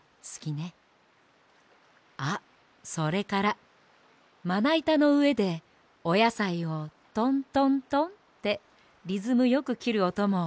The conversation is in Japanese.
あっそれからまないたのうえでおやさいをトントントンってリズムよくきるおともいいわね。